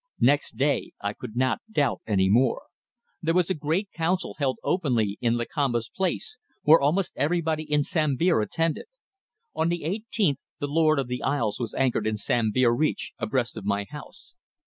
Next day I could not doubt any more. There was a great council held openly in Lakamba's place where almost everybody in Sambir attended. On the eighteenth the Lord of the Isles was anchored in Sambir reach, abreast of my house.